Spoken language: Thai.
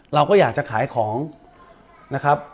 เราก็อยากจะขายของนะครับ